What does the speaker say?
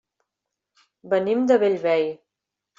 Venim de Bellvei.